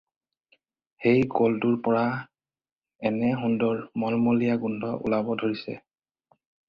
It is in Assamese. সেই কলটোৰ পৰা এনে সুন্দৰ মল্মলীয়া গোন্ধ ওলাব ধৰিছে